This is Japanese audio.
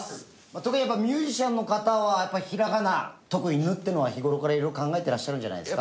特にミュージシャンの方はやっぱりひらがな特に「ぬ」っていうのは日頃からいろいろ考えてらっしゃるんじゃないですか？